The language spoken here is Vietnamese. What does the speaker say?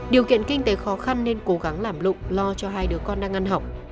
điều kiện kinh tế khó khăn nên cố gắng làm lụng lo cho hai đứa con đang ăn học